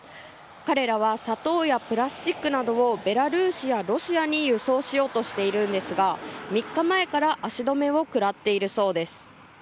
彼らは砂糖やプラスチックなどをベラルーシやロシアに輸送しようとしているんですが３日前から足止めを食らっているそうです。